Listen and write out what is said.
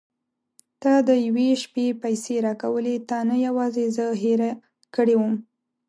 تا د یوې شپې پيسې راکولې تا نه یوازې زه هېره کړې وم.